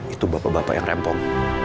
itu bapak bapak yang rempong